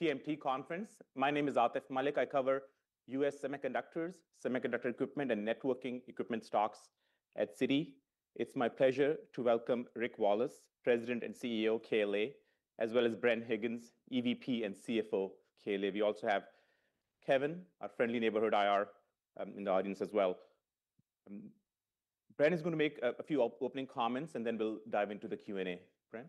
TMT Conference. My name is Atif Malik. I cover US semiconductors, semiconductor equipment and networking equipment stocks at Citi. It's my pleasure to welcome Rick Wallace, President and CEO of KLA, as well as Bren Higgins, EVP and CFO of KLA. We also have Kevin, our friendly neighborhood IR, in the audience as well. Bren is gonna make a few opening comments, and then we'll dive into the q and a. Bren?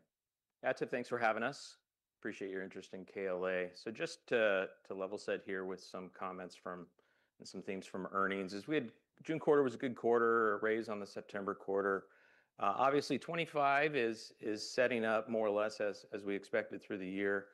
That's it. Thanks for having us. Appreciate your interest in KLA. So just to to level set here with some comments from and some themes from earnings. As we had June was a good quarter, a raise on the September. Obviously, '25 is is setting up more or less as as we expected through the year.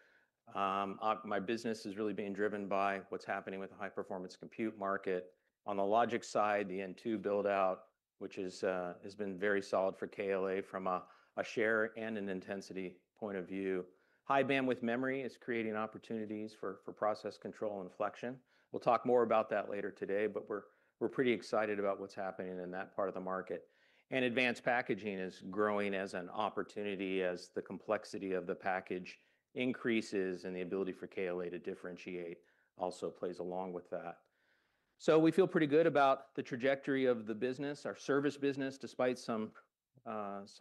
My business is really being driven by what's happening with the high performance compute market. On the logic side, the n two build out, which is has been very solid for KLA from a a share and an intensity point of view. High bandwidth memory is creating opportunities for for process control inflection. We'll talk more about that later today, but we're we're pretty excited about what's happening in that part of the market. And advanced packaging is growing as an opportunity as the complexity of the package increases and the ability for KLA to differentiate also plays along with that. So we feel pretty good about the trajectory of the business. Our service business, despite some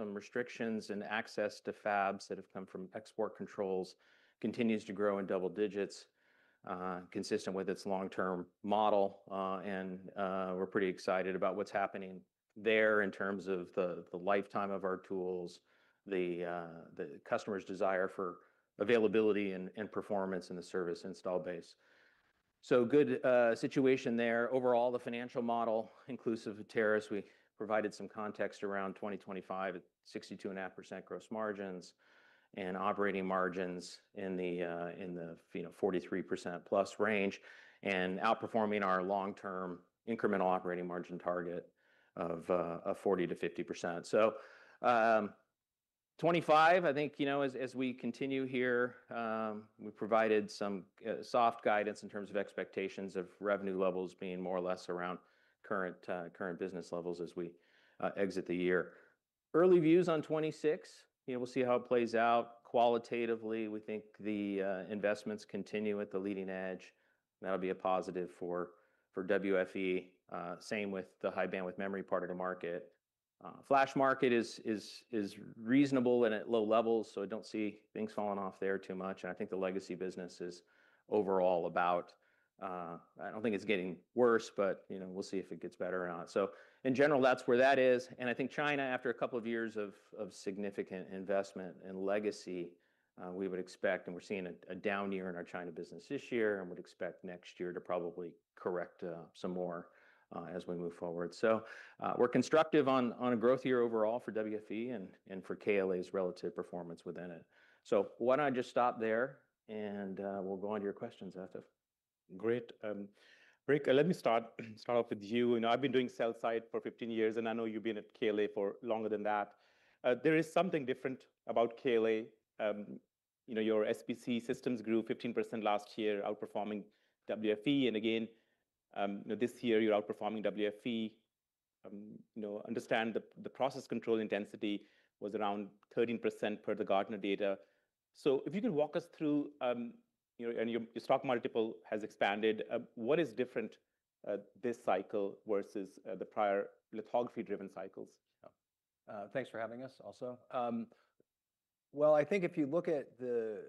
restrictions and access to fabs that have come from export controls, continues to grow in double digits, consistent with its long term model, and we're pretty excited about what's happening there in terms of the the lifetime of our tools, the the customer's desire for availability and and performance in the service installed base. So good situation there. Overall, the financial model, inclusive of TerrAs, we provided some context around 2025 at 62 and a half percent gross margins and operating margins in the 43% plus range and outperforming our long term incremental operating margin target of 40% to 50%. So 25%, I think, you know, as we continue here, we provided some soft guidance in terms of expectations of revenue levels being more or less around current business levels as we exit the year. Early views on '26, you know, we'll see how it plays out. Qualitatively, we think the investments continue at the leading edge. That'll be a positive for for WFE, same with the high bandwidth memory part of the market. Flash market is is is reasonable and at low levels, so I don't see things falling off there too much. And I think the legacy business is overall about I don't think it's getting worse, but, you know, we'll see if it gets better or not. So in general, that's where that is. And I think China, after a couple of years of significant investment in legacy, we would expect, and we're seeing a down year in our China business this year and would expect next year to probably correct some more as we move forward. So we're constructive on on a growth year overall for WFE and and for KLA's relative performance within it. So why don't I just stop there, and we'll go on to your questions after. Great. Rick, let me start start off with you. You know, I've been doing sell side for fifteen years, and I know you've been at KLA for longer than that. There is something different about KLA. You know, your SBC systems grew 15% last year, outperforming WFE. And again, this year, you're outperforming WFE. I understand the process control intensity was around 13% per the Gartner data. So if you can walk us through and your stock multiple has expanded, what is different this cycle versus the prior lithography driven cycles? Thanks for having us also. Well, I think if you look at the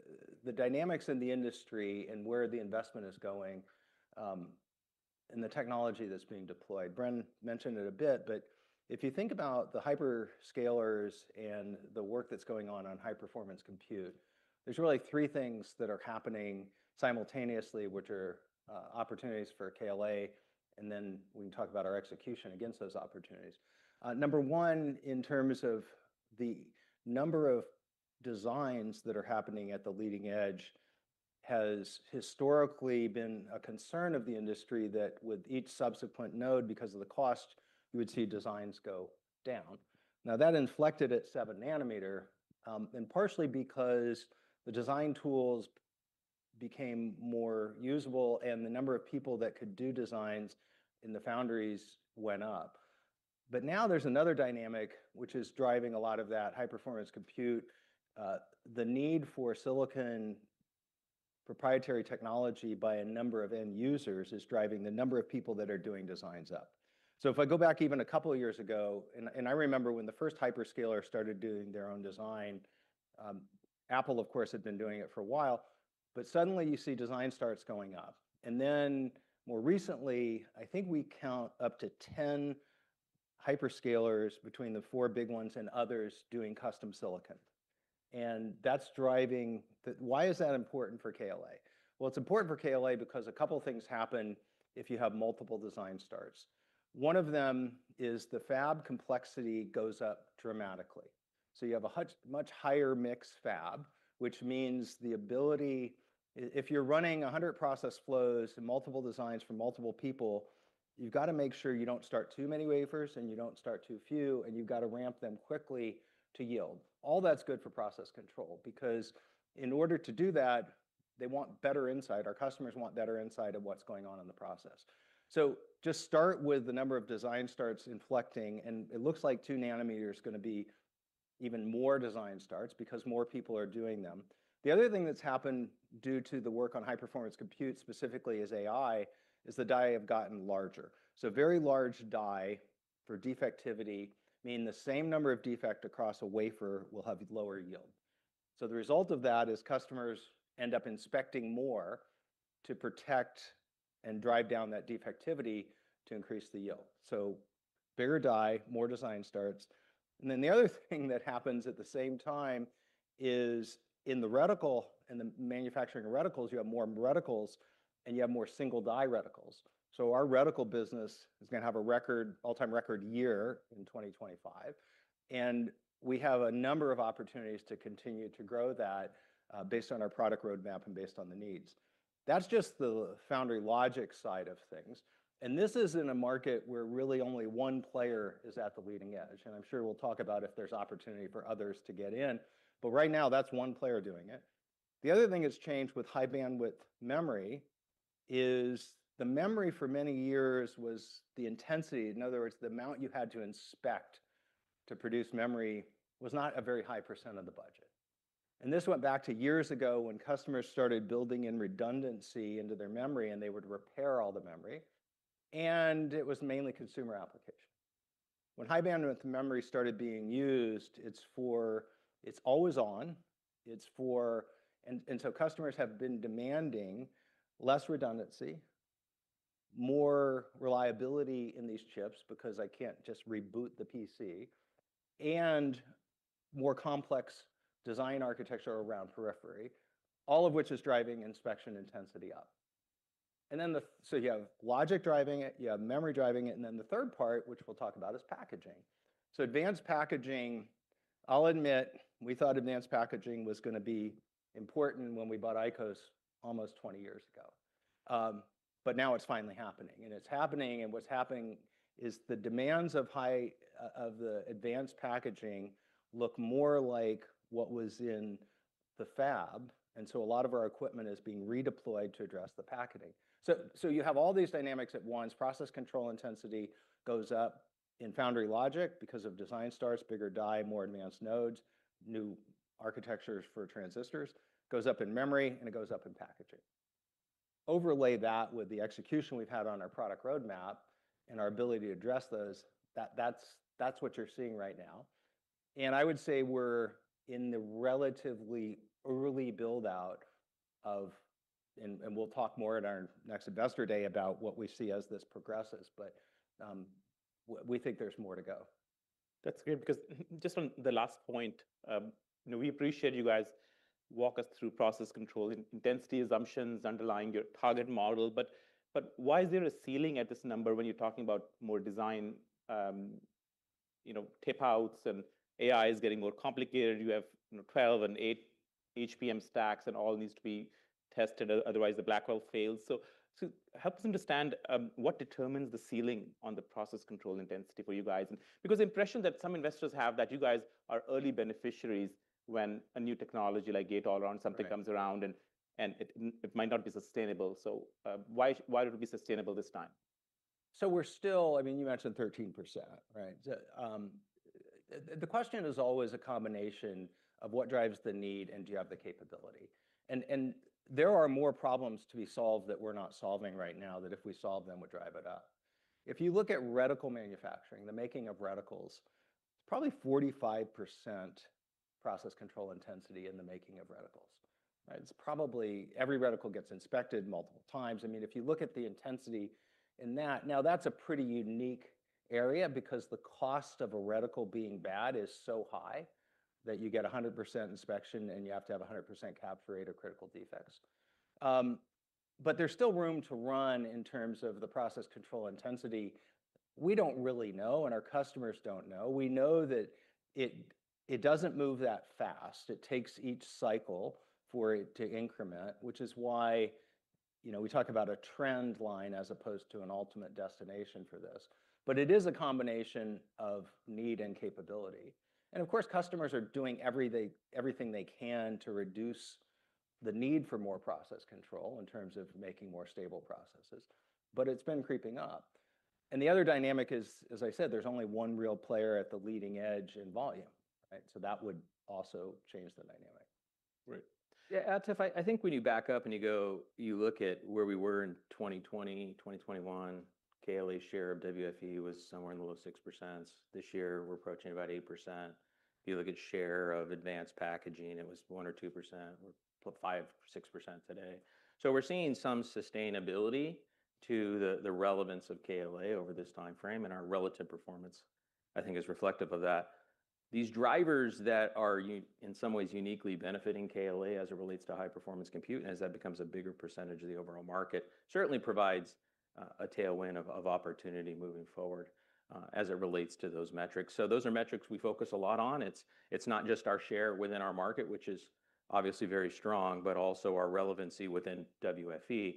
the dynamics in the industry and where the investment is going, and the technology that's being deployed, Bren mentioned it a bit. But if you think about the hyperscalers and the work that's going on on high performance compute, there's really three things that are happening simultaneously, which are, opportunities for KLA. And then we can talk about our execution against those opportunities. Number one, in terms of the number of designs that are happening at the leading edge has historically been a concern of the industry that with each subsequent node because of the cost, you would see designs go down. Now that inflected at seven nanometer and partially because the design tools became more usable and the number of people that could do designs in the foundries went up. But now there's another dynamic which is driving a lot of that high performance compute. The need for silicon proprietary technology by a number of end users is driving the number of people that are doing designs up. So if I go back even a couple of years ago, and and I remember when the first hyperscaler started doing their own design, Apple, of course, had been doing it for a while. But suddenly, you see design starts going up. And then more recently, I think we count up to 10 hyperscalers between the four big ones and others doing custom silicon. And that's driving why is that important for KLA? Well, it's important for KLA because a couple of things happen if you have multiple design starts. One of them is the fab complexity goes up dramatically. So you have a much higher mix fab, which means the ability if you're running a 100 process flows and multiple designs for multiple people, you've got to make sure you don't start too many wafers and you don't start too few, and you've got to ramp them quickly to yield. All that's good for process control because in order to do that, they want better insight. Our customers want better insight of what's going on in the process. So just start with the number of design starts inflecting, and it looks like two nanometer is gonna be even more design starts because more people are doing them. The other thing that's happened due to the work on high performance compute specifically is AI is the dye have gotten larger. So very large dye for defectivity mean the same number of defect across a wafer will have lower yield. So the result of that is customers end up inspecting more to protect and drive down that defectivity to increase the yield. So bigger die, more design starts. And then the other thing that happens at the same time is in the reticle in the manufacturing reticles, you have more reticles, and you have more single die reticles. So our reticle business is gonna have a record all time record year in 2025. And we have a number of opportunities to continue to grow that, based on our product road map and based on the needs. That's just the foundry logic side of things. And this is in a market where really only one player is at the leading edge. And I'm sure we'll talk about if there's opportunity for others to get in. But right now, that's one player doing it. The other thing that's changed with high bandwidth memory is the memory for many years was the intensity. In other words, the amount you had to inspect to produce memory was not a very high percent of the budget. And this went back to years ago when customers started building in redundancy into their memory and they would repair all the memory. And it was mainly consumer application. When high bandwidth memory started being used, it's for it's always on. It's for and and so customers have been demanding less redundancy, more reliability in these chips because I can't just reboot the PC, and more complex design architecture around periphery, all of which is driving inspection intensity up. And then the so you have logic driving it, you have memory driving it, and then the third part, which we'll talk about, is packaging. So advanced packaging, I'll admit, we thought advanced packaging was going to be important when we bought IQOS almost twenty years ago. But now it's finally happening. And it's happening, and what's happening is the demands of high of the advanced packaging look more like what was in the fab. And so a lot of our equipment is being redeployed to address the packaging. So so you have all these dynamics at once. Process control intensity goes up in foundry logic because of design stars, bigger die, more advanced nodes, new architectures for transistors, goes up in memory, and it goes up in packaging. Overlay that with the execution we've had on our product road map and our ability to address those, that that's that's what you're seeing right now. And I would say we're in the relatively early build out of and and we'll talk more at our next investor day about what we see as this progresses. But we think there's more to go. That's good because just on the last point, you know, we appreciate you guys walk us through process control and density assumptions underlying your target model. But but why is there a ceiling at this number when you're talking about more design, you know, tip outs and AI is getting more complicated. You have, you know, twelve and eight HPM stacks and all needs to be tested. Otherwise, the black hole fails. So so help us understand, what determines the ceiling on the process control intensity for you guys. Because the impression that some investors have that you guys are early beneficiaries when a new technology like gate all around something comes around and and it it might not be sustainable. So, why why would it be sustainable this time? So we're still I mean, you mentioned 13%. Right? The question is always a combination of what drives the need and do you have the capability. And and there are more problems to be solved that we're not solving right now that if we solve them would drive it up. If you look at reticle manufacturing, the making of reticles, it's probably 45% process control intensity in the making of reticles. It's probably every reticle gets inspected multiple times. I mean, you look at the intensity in that now that's a pretty unique area because the cost of a reticle being bad is so high that you get 100 percent inspection and you have to have 100% capture rate of critical defects. But there's still room to run-in terms of the process control intensity. We don't really know, and our customers don't know. We know that it doesn't move that fast. It takes each cycle for it to increment, which is why, you know, we talk about a trend line as opposed to an ultimate destination for this. But it is a combination of need and capability. And of course, customers are doing every they everything they can to reduce the need for more process control in terms of making more stable processes. But it's been creeping up. And the other dynamic is, as I said, there's only one real player at the leading edge in volume. Right? So that would also change the dynamic. Right. Yeah. That's if I I think when you back up and you go you look at where we were in 2020, 2021, KLE share of WFE was somewhere in the low six percents. This year, we're approaching about 8%. You look at share of advanced packaging, was 1% or 2%, we're 5%, six percent today. So we're seeing some sustainability to the relevance of KLA over this time frame and our relative performance, I think, reflective of that. These drivers that are in some ways uniquely benefiting KLA as it relates to high performance compute as that becomes a bigger percentage of the overall market certainly provides a tailwind of of opportunity moving forward as it relates to those metrics. So those are metrics we focus a lot on. It's not just our share within our market, which is obviously very strong, but also our relevancy within WFE.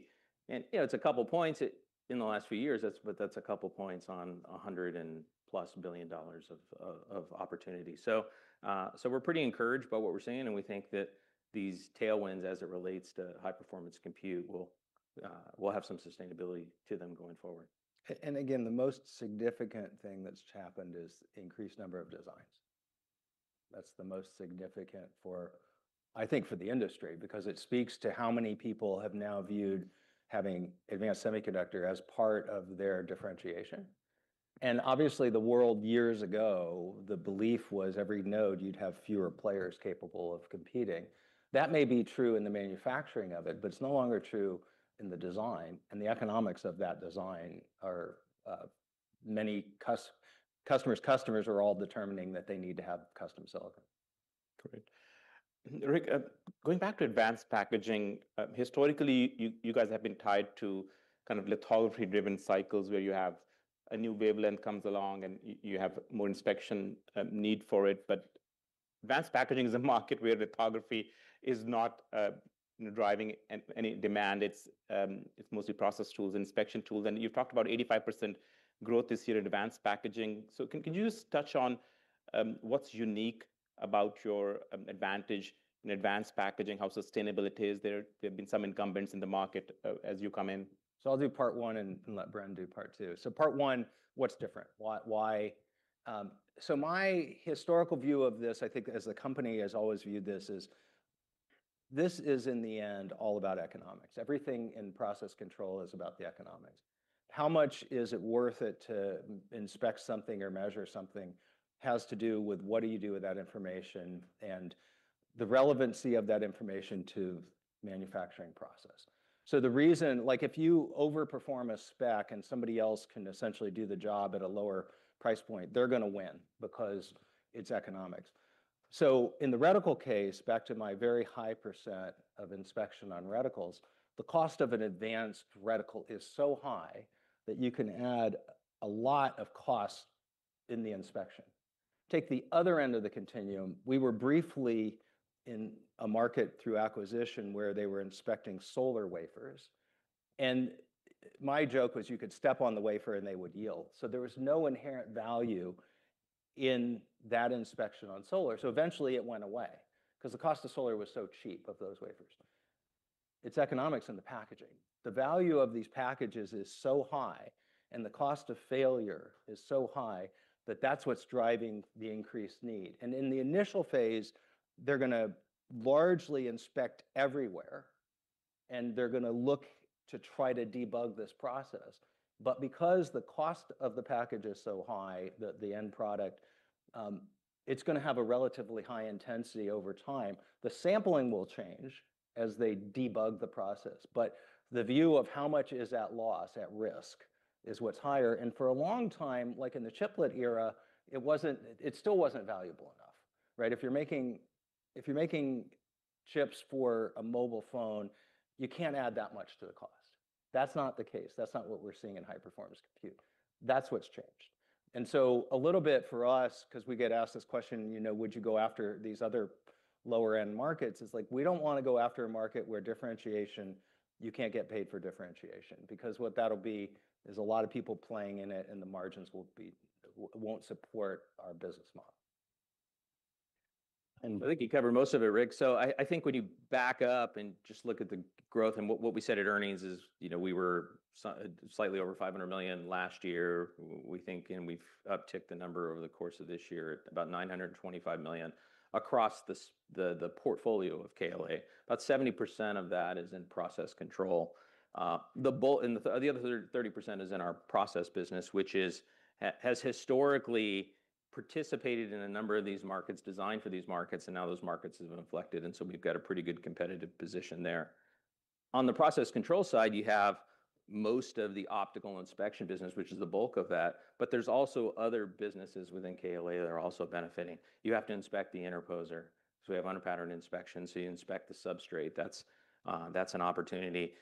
And, you know, it's a couple points in the last few years. That's but that's a couple points on a 100 and plus billion dollars of of opportunity. So, so we're pretty encouraged by what we're seeing, and we think that these tailwinds as it relates to high performance compute will, will have some sustainability to them going forward. And again, the most significant thing that's happened is increased number of designs. That's the most significant for, I think, for the industry because it speaks to how many people have now viewed having advanced semiconductor as part of their differentiation. And obviously, the world years ago, the belief was every node you'd have fewer players capable of competing. That may be true in the manufacturing of it, but it's no longer true in the design. And the economics of that design are many cuss customers' customers are all determining that they need to have custom silicon. Great. Rick, going back to advanced packaging, historically, you you guys have been tied to kind of lithography driven cycles where you have a new wavelength comes along and you have more inspection need for it. But advanced packaging is a market where lithography is not driving any demand. It's mostly process tools, inspection tools. You've talked about 85% growth this year in advanced packaging. So can you just touch on what's unique about your advantage in advanced packaging, how sustainable it is there? There have been some incumbents in the market as you come in. So I'll do part one and and let Bren do part two. So part one, what's different? Why why? So my historical view of this, I think, as the company has always viewed this, is this is in the end all about economics. Everything in process control is about the economics. How much is it worth it to inspect something or measure something has to do with what do you do with that information and the relevancy of that information to manufacturing process. So the reason like if you over perform a spec and somebody else can essentially do the job at a lower price point, they're going to win because it's economics. So in the reticle case, back to my very high percent of inspection on reticles, the cost of an advanced reticle is so high that you can add a lot of cost in the inspection. Take the other end of the continuum. We were briefly in a market through acquisition where they were inspecting solar wafers. And my joke was you could step on the wafer and they would yield. So there was no inherent value in that inspection on solar. So eventually it went away because the cost of solar was so cheap of those wafers. It's economics and the packaging. The value of these packages is so high and the cost of failure is so high that that's what's driving the increased need. And in the initial phase, they're going to largely inspect everywhere, and they're going to look to try to debug this process. But because the cost of the package is so high that the end product it's going to have a relatively high intensity over time. The sampling will change as they debug the process. But the view of how much is at loss, at risk, is what's higher. And for a long time, like in the chiplet era, it wasn't it still wasn't valuable enough. Right? If you're making if you're making chips for a mobile phone, you can't add that much to the cost. That's not the case. That's not what we're seeing in high performance compute. That's what's changed. And so a little bit for us, because we get asked this question, you know, would you go after these other lower end markets? It's like, we don't want to go after a market where differentiation you can't get paid for differentiation. Because what that'll be is a lot of people playing in it and the margins will be won't support our business model. And I think you covered most of it, Rick. So I I think when you back up and just look at the growth and what what we said at earnings is, you know, we were slightly over 500,000,000 last year. We think and we've uptick the number over the course of this year at about 925,000,000 across this the the portfolio of KLA. About 70% of that is in process control. The bull and the other 30% is in our process business, which is has historically participated in a number of these markets, designed for these markets, now those markets have been inflected, and so we've got a pretty good competitive position there. On the process control side, have most of the optical inspection business, which is the bulk of that, but there's also other businesses within KLA that are also benefiting. You have to inspect the interposer. So we have under pattern inspection, so you inspect the substrate. That's that's an opportunity.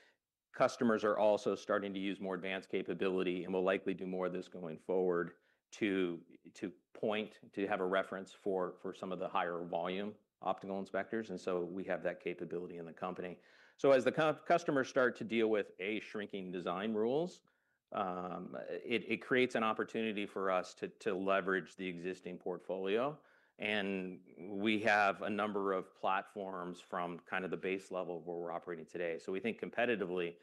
Customers are also starting to use more advanced capability and will likely do more of this going forward to point, to have a reference for some of the higher volume optical inspectors. And so we have that capability in the company. So as the customers start to deal with a shrinking design rules, it it creates an opportunity for us to to leverage the existing portfolio. And we have a number of platforms platforms from kind of the base level of where we're operating today. So we think competitively,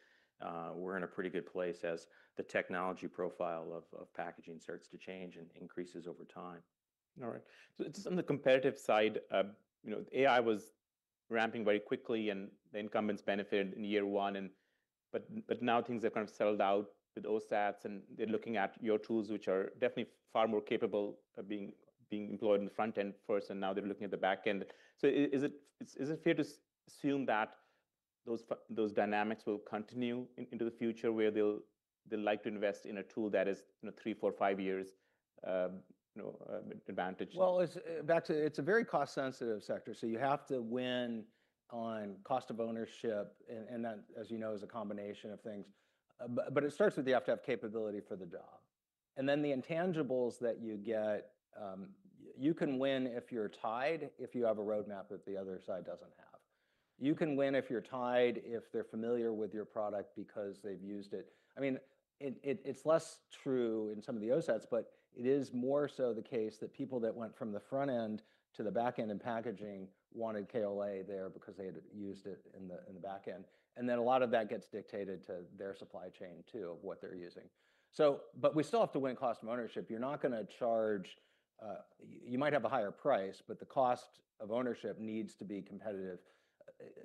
we're in a pretty good place as the technology profile of of packaging starts to change and increases over time. Alright. So just on the competitive side, you know, AI was ramping very quickly and the incumbents benefited in year one and but but now things have kind of settled out with OSATs and they're looking at your tools, are definitely far more capable of being being employed in the front end first and now they're looking at the back end. So is it is it fair to assume that those those dynamics will continue into the future where they'll they'll like to invest in a tool that is, you know, three, four, five years, you know, advantage? Well, it's that's it's a very cost sensitive sector. So you have to win on cost of ownership. And that, as you know, is a combination of things. But it starts with you have to have capability for the job. And then the intangibles that you get, you can win if you're tied if you have a roadmap that the other side doesn't have. You can win if you're tied if they're familiar with your product because they've used it. I mean, it's less true in some of the OSATs, but it is more so the case that people that went from the front end to the back end in packaging wanted KLA there because they had used it in back end. And then a lot of that gets dictated to their supply chain too, what they're using. So but we still have to win cost of ownership. You're not going to charge. You might have a higher price, but the cost of ownership needs to be competitive.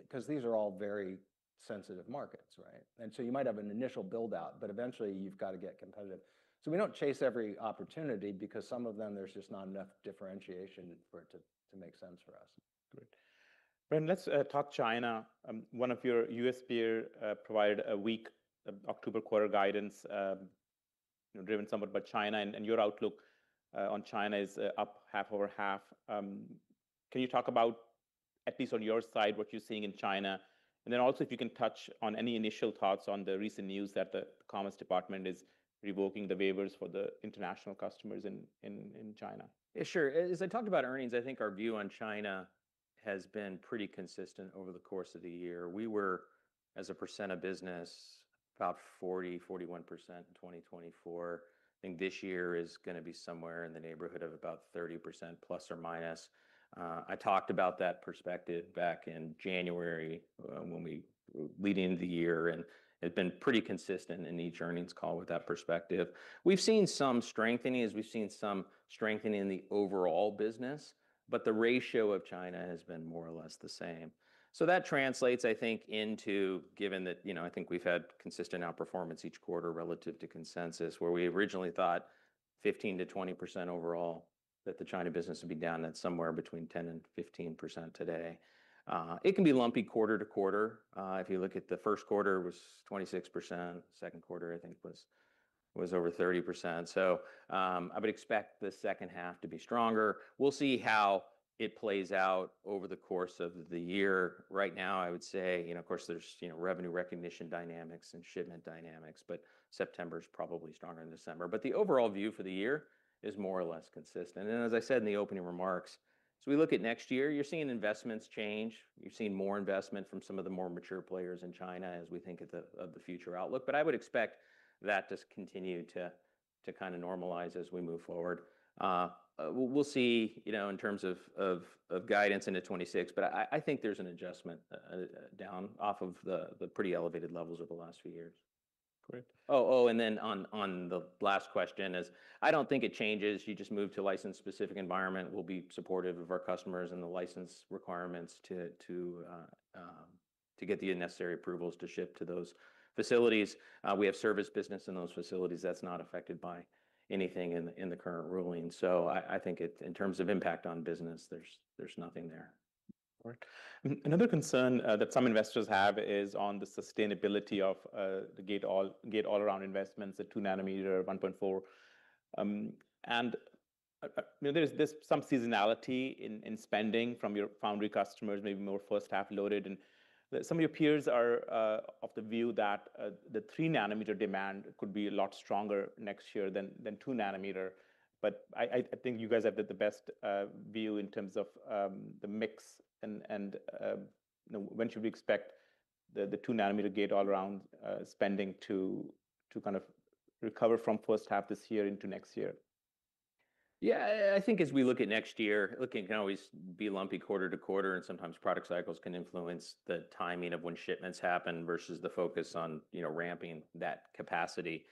Because these are all very sensitive markets, right? And so you might have an initial build out, but eventually you've got to get competitive. So we don't chase every opportunity because some of them, there's just not enough differentiation for it to make sense for us. And let's talk China. One of your U. S. Peer provided a weak October guidance driven somewhat by China, and your outlook on China is up half over half. Can you talk about, at least on your side, what you're seeing in China? And then also if you can touch on any initial thoughts on the recent news that the Commerce Department is revoking the waivers for the international customers in in in China. Yeah. Sure. As I talked about earnings, I think our view on China has been pretty consistent over the course of the year. We were, as a percent of business, about 41% in 2024. I think this year is gonna be somewhere in the neighborhood of about 30% plus or minus. I talked about that perspective back in January when we lead into the year, and it's been pretty consistent in each earnings call with that perspective. We've seen some strengthening as we've seen some strengthening in the overall business, but the ratio of China has been more or less the same. So that translates, I think, into given that, you know, I think we've had consistent outperformance each quarter relative to consensus where we originally thought 15% to 20% overall that the China business would be down at somewhere between 1015% today. It can be lumpy quarter to quarter. If you look at the first quarter, it was 26%. Second quarter, I think, over 30%. So I would expect the second half to be stronger. We'll see how it plays out over the course of the year. Right now, I would say, you know, of course, there's, you know, revenue recognition dynamics and shipment dynamics, but September is probably stronger than December. But the overall view for the year is more or less consistent. And as I said in the opening remarks, as we look at next year, you're seeing investments change. You're seeing more investment from some of the more mature players in China as we think of the future outlook. But I would expect that to continue to kind of normalize as we move forward. We'll you know, in terms of of of guidance into '26, but I I think there's an adjustment down off of the the pretty elevated levels over the last few years. Great. Oh, and then on on the last question is, I don't think it changes. You just move to license specific environment. We'll be supportive of our customers and the license requirements to to to get the necessary approvals to ship to those facilities. We have service business in those facilities that's not affected by anything in in the current ruling. So I I think it in terms of impact on business, there's there's nothing there. Alright. Another concern, that some investors have is on the sustainability of, the gate all gate all around investments at two nanometer, 1.4. And there's some seasonality in spending from your foundry customers, maybe more first half loaded. And some of your peers are of the view that the three nanometer demand could be a lot stronger next year than two nanometer. But I I I think you guys have the the best view in terms of the mix and and when should we expect the the two nanometer gate all around spending to to kind of recover from first half this year into next year. Yeah. I think as we look at next year, looking can always be lumpy quarter to quarter, and sometimes product cycles can influence the timing of when shipments happen versus the focus on, you know, ramping that capacity.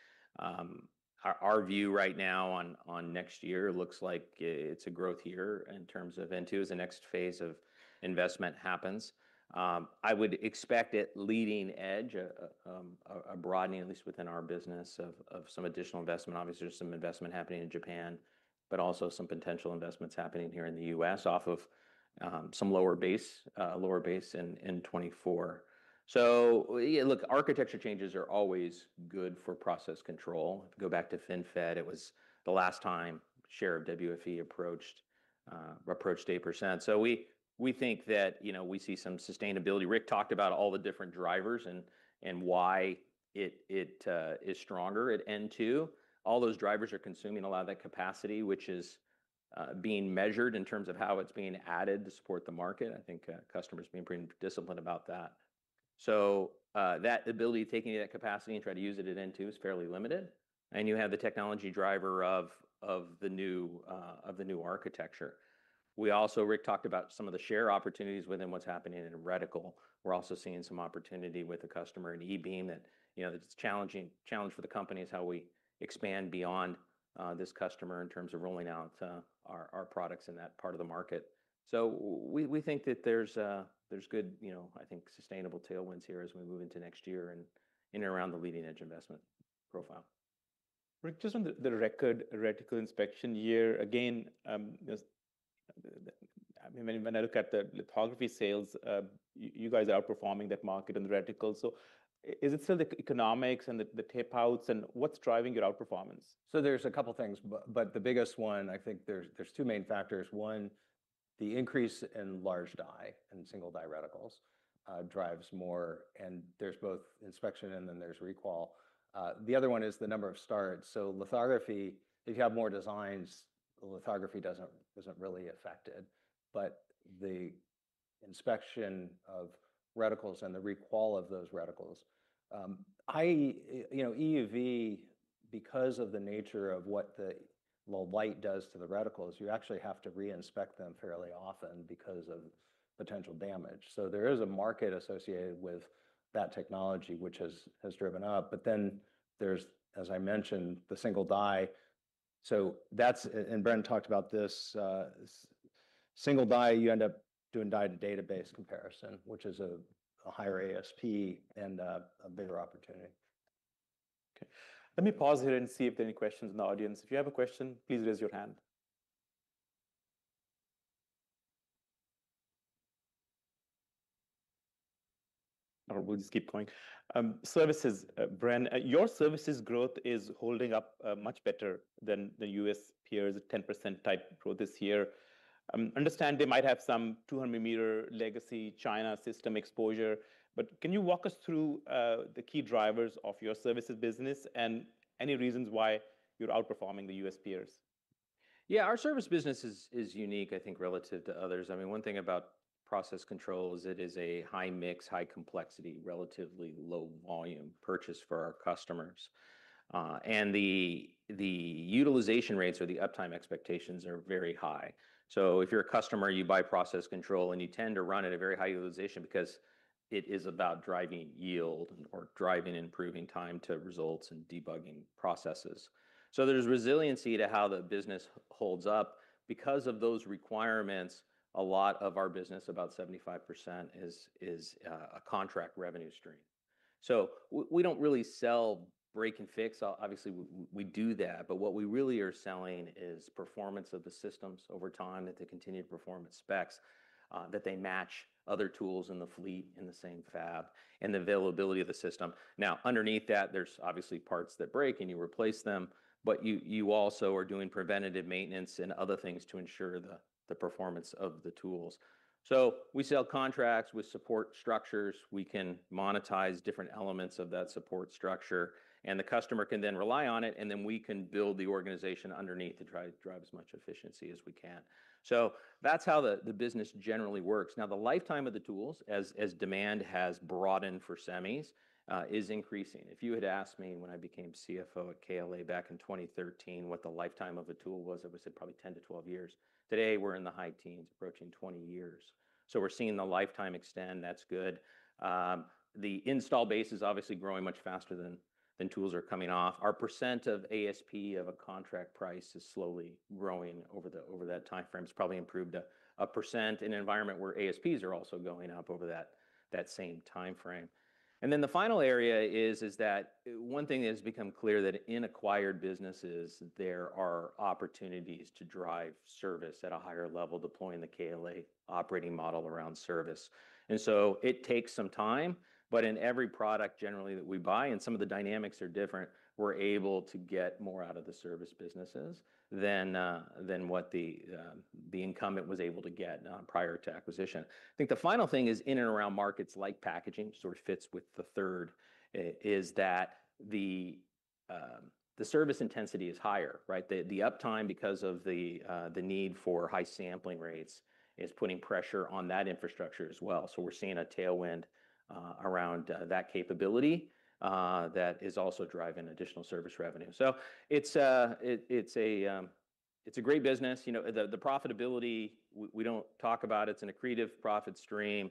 Our view right now on on next year looks like it's a growth year in terms of into as the next phase of investment happens. I would expect it leading edge, a a at least within our business, of of some additional investment. Obviously, there's some investment happening in Japan, but also some potential investments happening here in The US off of some lower base lower base in in '24. So, yeah, look, architecture changes are always good for process control. Go back to FinFed, it was the last time share of WFE approached approached 8%. So we we think that, you know, we see some sustainability. Rick talked about all the different drivers and why it it is stronger at n two. All those drivers are consuming a lot of that capacity, which is being measured in terms of how it's being added to support the market. I think customers being pretty disciplined about that. So that ability of taking that capacity and try to use it at n two is fairly limited, and you have the technology driver of of the new of the new architecture. We also Rick talked about some of the share opportunities within what's happening in reticle. We're also seeing some opportunity with the customer in e beam that, you know, that's challenging challenge for the company is how we expand beyond this customer in terms of rolling out our our products in that part of the market. So we we think that there's there's good, you know, I think sustainable tailwinds here as we move into next year and in around the leading edge investment profile. Rick, just on the the record reticle inspection year, again, I mean, when when I look at the lithography sales, you guys are outperforming that market in the reticle. So is it still the economics and the the tape outs, and what's driving your outperformance? So there's a couple things, but but the biggest one, I think there's there's two main factors. One, the increase in large dye and single dye reticles drives more, and there's both inspection and then there's recall. The other one is the number of starts. So lithography, if you have more designs, lithography doesn't really affect it. But the inspection of reticles and the recall of those reticles I you know, EUV, because of the nature of what the light does to the reticles, you actually have to reinspect them fairly often because of potential damage. So there is a market associated with that technology, which has has driven up. But then there's, as I mentioned, the single die. So that's and Brent talked about this single die, you end up doing die database comparison, which is a higher ASP and a a bigger opportunity. K. Let me pause here and see if there are any questions in the audience. If you have a question, please raise your hand. We'll just keep going. Services, Bren, your services growth is holding up much better than The U. S. Peers, a 10% type growth this year. Understand they might have some 200 meter legacy China system exposure, but can you walk us through the key drivers of your services business and any reasons why you're outperforming The US peers? Yeah. Our service business is is unique, I think, relative to others. I mean, one thing about process control is it is a high mix, high complexity, relatively low volume purchase for our customers. And the the utilization rates or the uptime expectations are very high. So if you're a customer, you buy process control, and you tend to run at a very high utilization because it is about driving yield or driving improving time to results and debugging processes. So there's resiliency to how the business holds up. Because of those requirements, a lot of our business, about 75%, is is a contract revenue stream. So we we don't really sell break and fix. Obviously, we do that. But what we really are selling is performance of the systems over time, that they continue to perform at specs, that they match other tools in the fleet in the same fab, and the availability of the system. Now underneath that, there's obviously parts that break and you replace them, but you you also are doing preventative maintenance and other things to ensure the the performance of the tools. So we sell contracts with support structures. We can monetize different elements of that support structure, and the customer can then rely on it, and then we can build the organization underneath to try drive as much efficiency as we can. So that's how the the business generally works. Now the lifetime of the tools as as demand has broadened for semis is increasing. If you had asked me when I became CFO at KLA back in 2013 what the lifetime of a tool was, it was probably ten to twelve years. Today, we're in the high teens approaching 20. So we're seeing the lifetime extend. That's good. The install base is obviously growing much faster than than tools are coming off. Our percent of ASP of a contract price is slowly growing over the over that time frame. It's probably improved a percent in an environment where ASPs are also going up over that that same time frame. And then the final area is is that one thing that has become clear that in acquired businesses, there are opportunities to drive service at a higher level deploying the KLA operating model around service. And so it takes some time, but in every product generally that we buy and some of the dynamics are different, we're able to get more out of the service businesses than than what the the incumbent was able to get prior to acquisition. I think the final thing is in and around markets like packaging sort of fits with the third is that the the service intensity is higher. Right? The the uptime because of the the need for high sampling rates is putting pressure on that infrastructure as well. So we're seeing a tailwind around that capability that is also driving additional service revenue. So it's a a great business. You know, the the profitability, we we don't talk about it. It's an accretive profit stream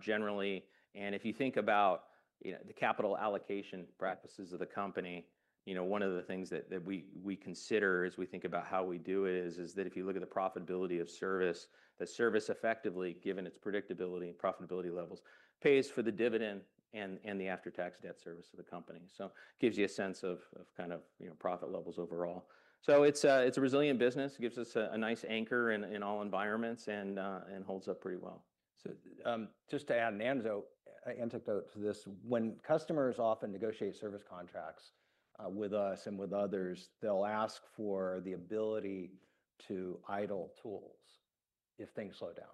generally. And if you think about, you know, the capital allocation practices of the company, you know, one of the things that that we we consider as we think about how we do it is is that if you look at the profitability of service, the service effectively, given its predictability and profitability levels, pays for the dividend and and the after tax debt service of the company. So it gives you a sense of of kind of, you know, profit levels overall. So it's a it's a resilient business. It gives us a nice anchor in in all environments and and holds up pretty well. So just to add an Anzo anticote to this, when customers often negotiate service contracts with us and with others, they'll ask for the ability to idle tools if things slow down.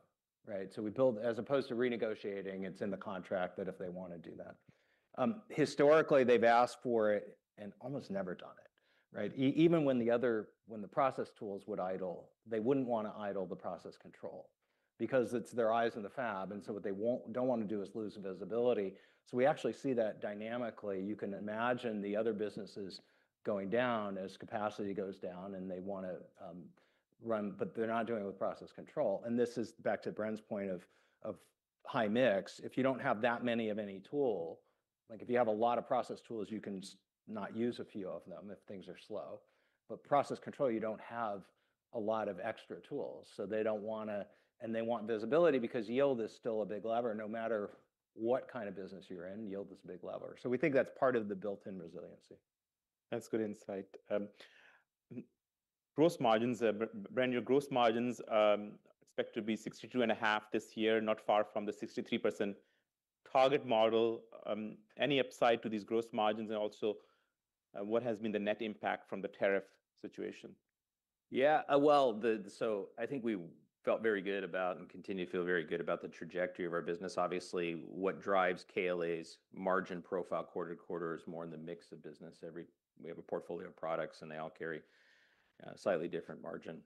So we build as opposed to renegotiating, it's in the contract that if they want to do that. Historically, they've asked for it and almost never done it. Even when the other when the process tools would idle, they wouldn't want to idle the process control because it's their eyes in the fab. And so what they don't want to do is lose visibility. So we actually see that dynamically. You can imagine the other businesses going down as capacity goes down, and they wanna, run, but they're not doing it with process control. And this is back to Brent's point of of high mix. If you don't have that many of any tool like, if you have a lot of process tools, you can not use a few of them if things are slow. But process control, you don't have a lot of extra tools. So they don't wanna and they want visibility because yield is still a big lever. No matter what kind of business you're in, yield is a big lever. So we think that's part of the built in resiliency. That's good insight. Gross margins brand new gross margins expect to be 62.5% this year, not far from the 63% target model. Any upside to these gross margins? And also, what has been the net impact from the tariff situation? Yeah. Well, the so I think we felt very good about and continue to feel very good about the trajectory of our business. Obviously, what drives KLA's margin profile quarter to quarter is more in the mix of business. Every we have a portfolio of products, they all carry slightly different margin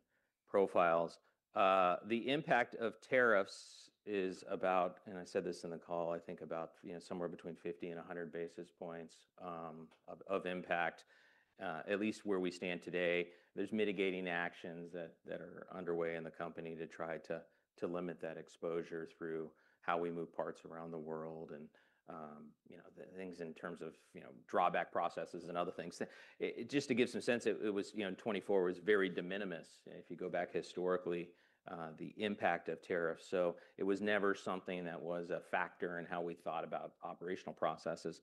profiles. The impact of tariffs is about, and I said this in the call, think about somewhere between 5,100 basis points of impact, at least where we stand today. There's mitigating actions that are underway in the company to try to limit that exposure through how we move parts around the world and, you know, the things in terms of, you know, drawback processes and other things. Just to give some sense, it it was, you know, '24 was very de minimis. If you go back historically, the impact of tariffs. So it was never something that was a factor in how we thought about operational processes.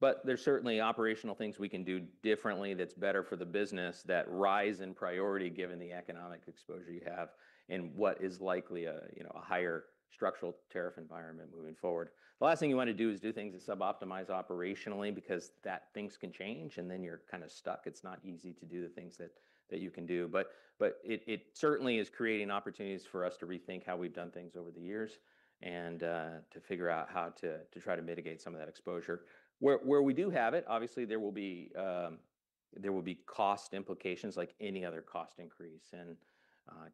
But there's certainly operational things we can do differently that's better for the business that rise in priority given the economic exposure you have and what is likely a higher structural tariff environment moving forward. The last thing you wanna do is do things that suboptimize operationally because that things can change, and then you're kinda stuck. It's not easy to do the things that that you can do. But but it it certainly is creating opportunities for us to rethink how we've done things over the years and to figure out how to to try to mitigate some of that exposure. Where where we do have it, obviously, will be there will be cost implications like any other cost increase. And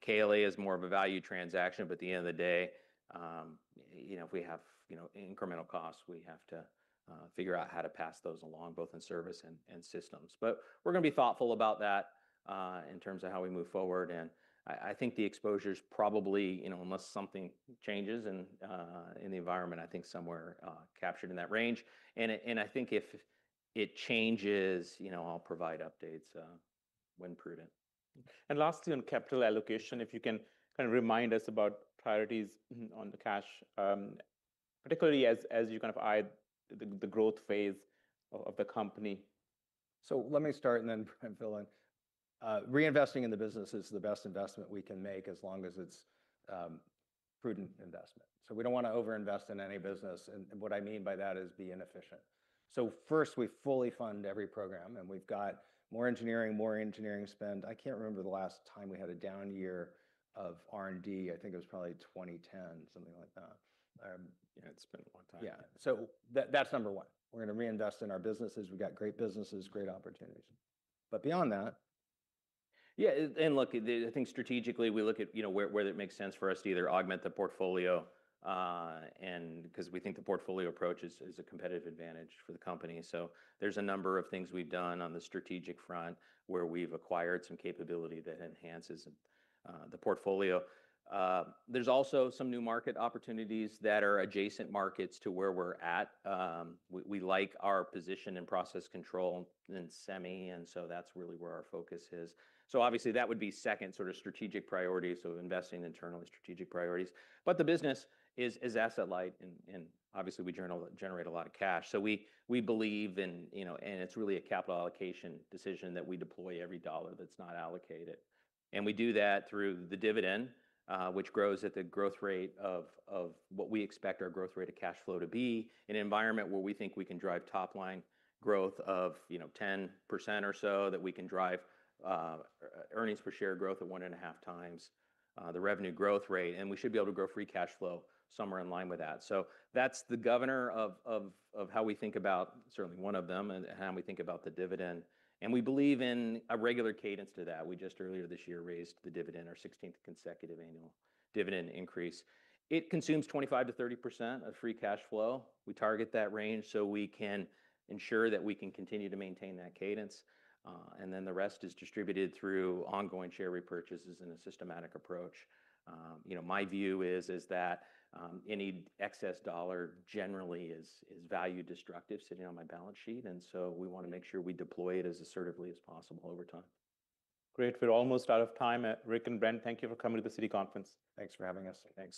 KLA is more of a value transaction, but at the end of the day, you know, if we have, you know, incremental costs, we have to figure out how to pass those along both in service and and systems. But we're gonna be thoughtful about that in terms of how we move forward, I I think the exposure is probably, you know, unless something changes in the environment, think somewhere captured in that range. And and I think if it changes, you know, I'll provide updates when prudent. And lastly on capital allocation, if you can kind of remind us about priorities on the cash, particularly as as you kind of eye the the growth phase of the company. So let me start and then and fill in. Reinvesting in the business is the best investment we can make as long as it's prudent investment. So we don't want to over invest in any business. And what I mean by that is be inefficient. So first, we fully fund every program. And we've got more engineering, more engineering spend. I can't remember the last time we had a down year of R and D. I think it was probably 2010, something like that. Yeah. It's been a long time. Yeah. So that's number one. We're going to reinvest in our businesses. We've got great businesses, great opportunities. But beyond that. Yeah. And look at the I think strategically, we look at, you know, where where it makes sense for us to either augment the portfolio and because we think the portfolio approach is is a competitive advantage for the company. So there's a number of things we've done on the strategic front where we've acquired some capability that enhances the portfolio. There's also some new market opportunities that are adjacent markets to where we're at. We we like our position in process control in semi, and so that's really where our focus is. So obviously, that would be second sort of strategic priorities, so investing internally strategic priorities. But the business is is asset light, and and obviously, we journal generate a lot of cash. So we we believe in, you know, and it's really a capital allocation decision that we deploy every dollar that's not allocated. And we do that through the dividend, which grows at the growth rate of what we expect our growth rate of cash flow to be in an environment where we think we can drive top line growth of 10% or so, that we can drive earnings per share growth of 1.5 times the revenue growth rate. And we should be able to grow free cash flow somewhere in line with that. So that's the governor of how we think about certainly one of them and how we think about the dividend. And we believe in a regular cadence to that. We just earlier this year raised the dividend, our sixteenth consecutive annual dividend increase. It consumes 25% to 30% of free cash flow. We target that range so we can ensure that we can continue to maintain that cadence. And then the rest is distributed through ongoing share repurchases in a systematic approach. You know, my view is that any excess dollar generally is is value destructive sitting on my balance sheet, and so we wanna make sure we deploy it as assertively as possible over time. Great. We're almost out of time. Rick and Brent, thank you for coming to the Citi conference. Thanks for having us. Thanks.